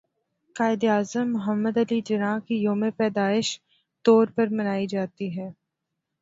قائد اعظم محمد علی جناح کے يوم پیدائش طور پر منائی جاتى ہے